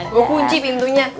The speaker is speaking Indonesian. gue kunci pintunya